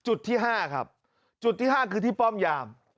จุดที่๕ครับจุดที่๕คือที่ป้อมยาม